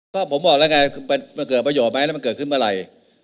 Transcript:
ก็ผมบอกล่ะไงมันเกิดประโยชน์ไหมมันเกิดขึ้นเมื่อไร